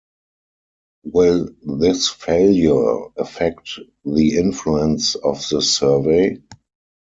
Will this failure affect the influence of the survey?